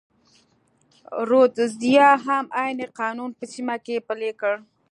رودزیا هم عین قانون په سیمه کې پلی کړ.